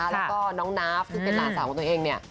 แล้วก็น้องนาฟซึ่งเป็นหลานสาวของตัวเองเนี่ย